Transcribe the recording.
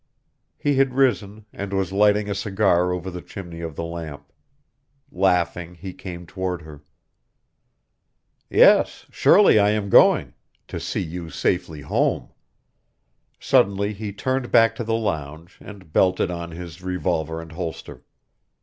He had risen, and was lighting a cigar over the chimney of the lamp. Laughing, he came toward her. "Yes, surely I am going to see you safely home." Suddenly he turned back to the lounge and belted on his revolver and holster.